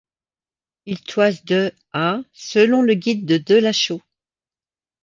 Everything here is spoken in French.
Il toise de à selon le guide Delachaux.